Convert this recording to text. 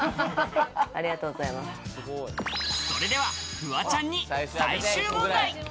それではフワちゃんに最終問題！